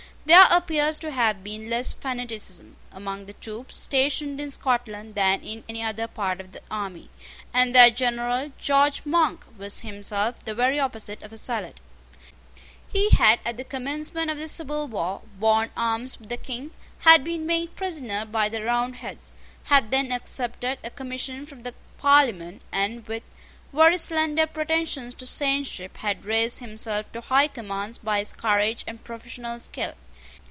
There appears to have been less fanaticism among the troops stationed in Scotland than in any other part of the army; and their general, George Monk, was himself the very opposite of a zealot. He had at the commencement of the civil war, borne arms for the King, had been made prisoner by the Roundheads, had then accepted a commission from the Parliament, and, with very slender pretensions to saintship, had raised himself to high commands by his courage and professional skill.